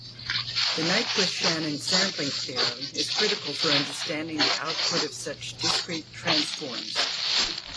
The Nyquist-Shannon sampling theorem is critical for understanding the output of such discrete transforms.